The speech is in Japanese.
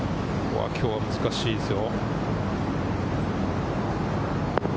きょうは難しいですよ。